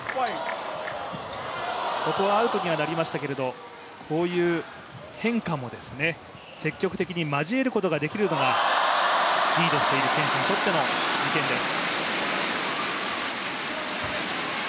ここはアウトにはなりましたけどこういう変化も積極的に交えることができるのがリードしている選手にとっての利点です。